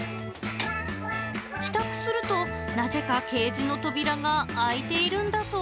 帰宅すると、なぜかケージの扉が開いているんだそう。